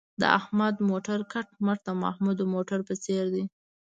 د احمد موټر کټ مټ د محمود د موټر په څېر دی.